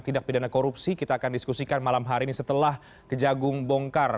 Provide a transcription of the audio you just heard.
tidak pidana korupsi kita akan diskusikan malam hari ini setelah kejagung bongkar